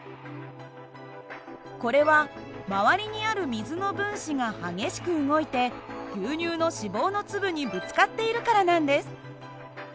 これは周りにある水の分子が激しく動いて牛乳の脂肪の粒にぶつかっているからなんです。